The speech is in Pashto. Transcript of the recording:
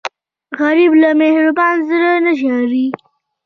غریب له مهربان زړه نه ژاړي